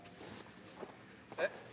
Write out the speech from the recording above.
えっ？